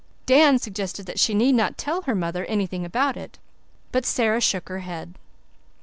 Dan suggested that she need not tell her mother anything about it; but Sara shook her head.